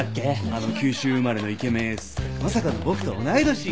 あの九州生まれのイケメンエースまさかの僕と同い年。